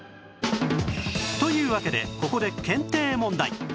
というわけでここで検定問題